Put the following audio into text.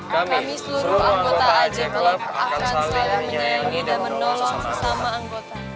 kami seluruh anggota ajk club akan saling menyayangi dan menolong sesama anggota